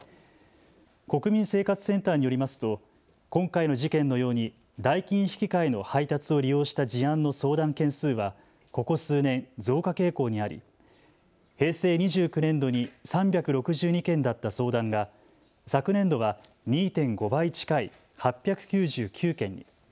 国民生活センターによりますと今回の事件のように代金引換の配達を利用した事案の相談件数はここ数年、増加傾向にあり平成２９年度に３６２件だった相談が昨年度は２．５倍近い８９９件に。